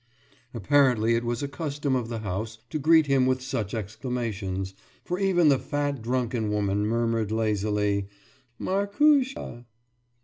« Apparently it was a custom of the house to greet him with such exclamations, for even the fat drunken woman murmured lazily, »Màrkusha!